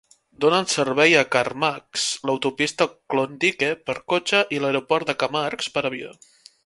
Donen servei a Carmacks l'autopista Klondike per cotxe i l'aeroport de Carmacks per avió.